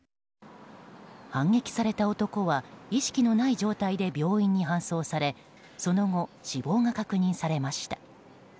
反撃された男は意識のない状態で病院に搬送されその後、死亡が確認されました。